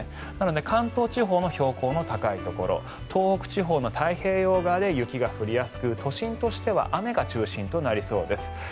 なので関東地方の標高の高いところ東北地方の太平洋側で雪が降りやすく都心としては雨が中心となりそうです。